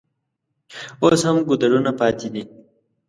اوس هم ګودرونه پاتې دي.